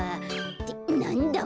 ってなんだ？